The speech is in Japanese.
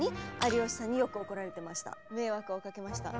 迷惑をかけました。